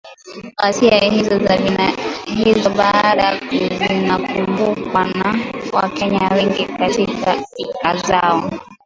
Ghasia hizo bado zinakumbukwa na Wakenya wengi katika fikra zao.